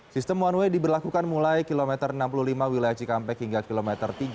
sistem one way diberlakukan mulai km enam puluh lima wilayah cikampek hingga km tiga